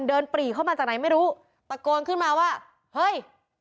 ปรีเข้ามาจากไหนไม่รู้ตะโกนขึ้นมาว่าเฮ้ย